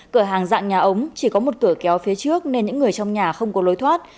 cửa hàng dạng nhà ống chỉ có một cửa kéo phía trước nên những người trong nhà không có lối thoát